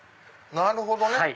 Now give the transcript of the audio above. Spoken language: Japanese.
なるほどね。